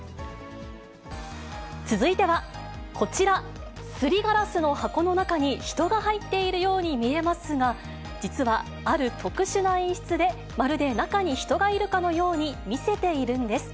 続いてはこちら、すりガラスの箱の中に人が入っているように見えますが、実はある特殊な演出で、まるで中に人がいるかのように見せているんです。